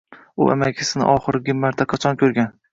U amakisini oxirgi marta qachon ko‘rgan